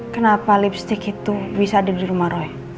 kenapa lipstick itu bisa ada di rumah roy